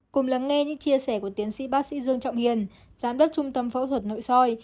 cùng lắng nghe những chia sẻ của tiến sĩ bác sĩ dương trọng hiền giám đốc trung tâm phẫu thuật nội soi